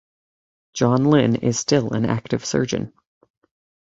John Lynn is still an active surgeon.